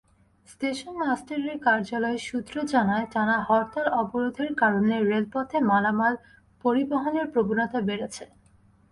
Station মাস্টারের কার্যালয় সূত্র জানায়, টানা হরতাল-অবরোধের কারণে রেলপথে মালামাল পরিবহনের প্রবণতা বেড়েছে।